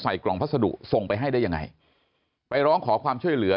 กล่องพัสดุส่งไปให้ได้ยังไงไปร้องขอความช่วยเหลือ